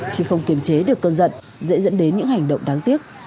khi không kiềm chế được cơn giận dễ dẫn đến những hành động